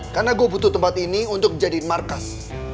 karena gue butuh tempat ini untuk jadi markas